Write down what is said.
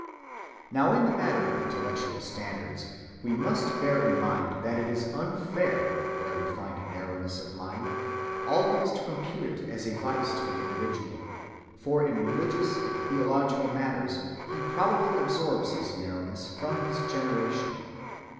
Now in the matter of intellectual standards, we must bear in mind that it is unfair, where we find narrowness of mind, always to impute it as a vice to the individual, for in religious and theological matters he probably absorbs his narrowness from his generation.